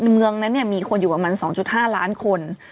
เมืองนั้นมีคนอยู่ประมาณ๒๕ล้านคน